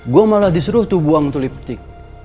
gue malah disuruh tuh buang tuh lipstick